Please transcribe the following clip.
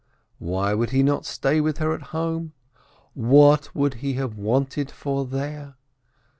Why would he not stay with her at home ? What would he have wanted for there